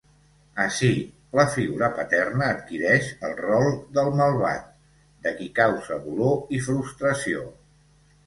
Ací, la figura paterna adquireix el rol del malvat, de qui causa dolor i frustració.